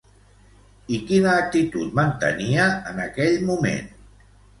I quina actitud mantenia en aquell moment?